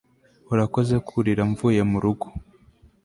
urakoze kurira mvuye murugo